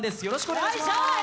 よろしくお願いします